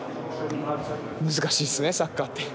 難しいっすねサッカーって。